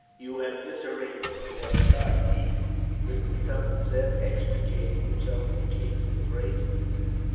"You have disarranged my white tie, Niece," Mr. Tufton said, extricating himself from Kate's embrace.